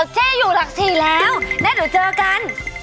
เจ๊อยู่หลัก๔แล้วแล้วเดี๋ยวเจอกัน